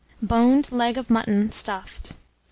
BONED LEG OF MUTTON STUFFED. 706.